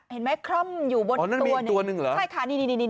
เห็นไหมคร่ำอยู่บนตัวนึงเข้าหนึ่งประเภทนั้นมีอีกตัวนึงหรอ